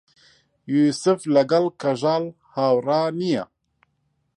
یووسف لەگەڵ کەژاڵ هاوڕا نییە.